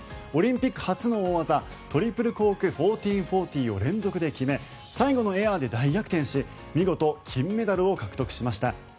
オリンピック初の大技トリプルコーク１４４０を連続で決め最後のエアで大逆転し見事、金メダルを獲得しました。